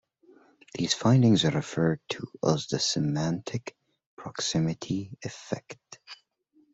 These findings are referred to as the Semantic Proximity Effect.